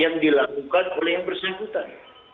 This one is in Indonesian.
yang dilakukan oleh yang bersangkutan